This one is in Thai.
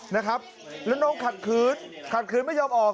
นะครับแล้วน้องขัดขืนขัดขืนไม่ยอมออก